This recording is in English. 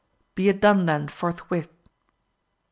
— Be it done then forthwith !